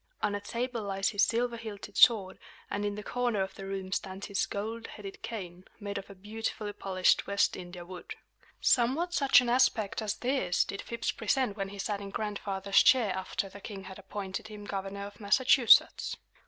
On a table lies his silver hilted sword; and in the corner of the room stands his gold headed cane, made of a beautifully polished West India wood Somewhat such an aspect as this did Phips present when he sat in Grandfather's chair after the king had appointed him Governor of Massachusetts.